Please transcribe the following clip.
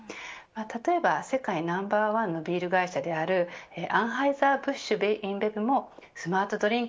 例えば世界ナンバーワンのビール会社であるアンハイザー・ブッシュ・インベブもスマートドリン